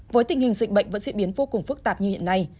với tình hình dịch bệnh vẫn diễn biến vô cùng phức tạp như hiện nay